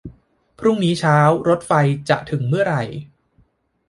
พรุ่งนี้เช้ารถไฟจะถึงเมื่อไหร่